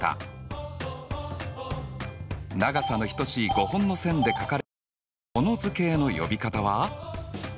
長さの等しい５本の線で書かれるこの図形の呼び方は？